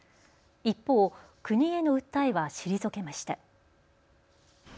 一方、国への訴えは退けました。